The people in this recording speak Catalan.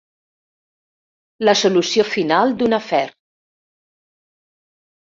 La solució final d'un afer.